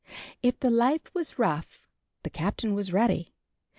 If the life was rough the Captain was ready.